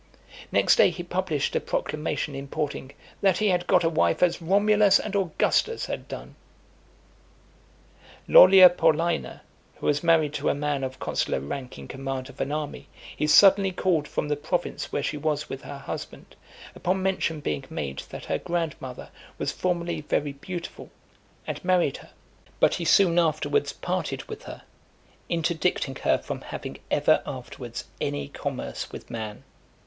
Next day he published a proclamation, importing, "That he had got a wife as Romulus and Augustus had done." Lollia Paulina, who was married to a man of consular rank in command of an army, he suddenly called from the province where she was with her husband, upon mention being made that her grandmother was formerly very beautiful, and married her; but he soon afterwards parted with her, interdicting her from having ever afterwards any commerce with man.